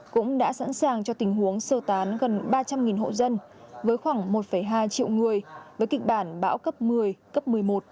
cũng đã sẵn sàng cho tình huống sơ tán gần ba trăm linh hộ dân với khoảng một hai triệu người với kịch bản bão cấp một mươi cấp một mươi một